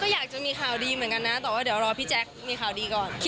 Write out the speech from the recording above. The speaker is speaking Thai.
อยากจะมีข่าวดีเหมือนกันนะแต่ว่าเดี๋ยวรอพี่แจ๊คมีข่าวดีก่อน